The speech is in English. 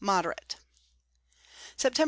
moderate. _Septemb.